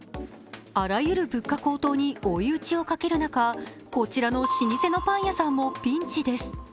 あらゆる物価高騰に追い打ちをかける中、こちらの老舗パン屋さんもピンチです。